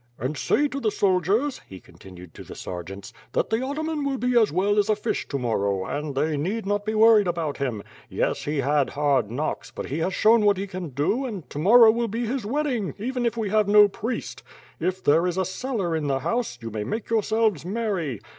"And say to the soldiers," he continued to the sergeants, "that the ataman will be as well as a fish to morrow, and they need not be worried about him. Yes, he had hard knocks, but he has shown what he can do and to morrow will be his wedding, even if we have no priest. If there is a cellar in the house, you may make yourselves merry.